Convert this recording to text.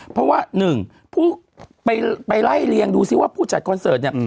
เพราะว่าหนึ่งผู้ไปไล่เรียงดูซิว่าผู้จัดคอนเสิร์ตเนี่ย